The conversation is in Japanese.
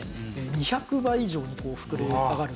２００倍以上に膨れ上がると。